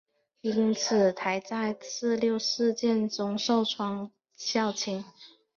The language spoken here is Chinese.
因此台大在四六事件中受创较轻。